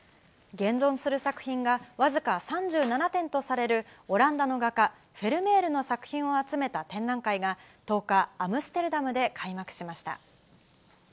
現存する作品が僅か３７点とされる、オランダの画家、フェルメールの作品を集めた展覧会が、１０日、アムステルダムで開幕しました。